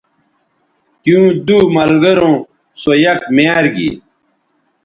تیوں دو ملگروں سو یک میار گی